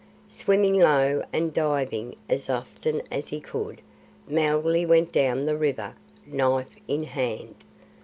Swimming low and diving as often as he could, Mowgli went down the river, knife in hand.